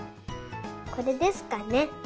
これですかね。